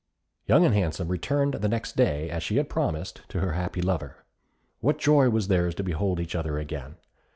Young and Handsome returned the next day, as she had promised, to her happy lover. What joy was theirs to behold each other again!